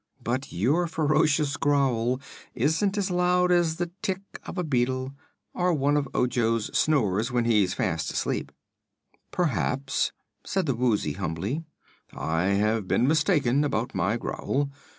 But your ferocious growl isn't as loud as the tick of a beetle or one of Ojo's snores when he's fast asleep." "Perhaps," said the Woozy, humbly, "I have been mistaken about my growl.